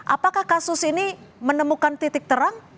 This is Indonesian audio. apakah kasus ini menemukan titik terang